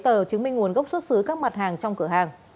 tờ chứng minh nguồn gốc xuất xứ các mặt hàng trong cửa hàng